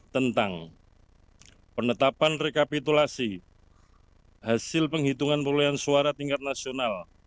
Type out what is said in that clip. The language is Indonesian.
tentang penetapan rekapitulasi hasil penghitungan perolehan suara tingkat nasional